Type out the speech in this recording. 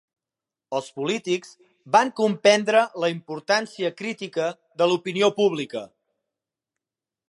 Els polítics van comprendre la importància crítica de l'opinió pública.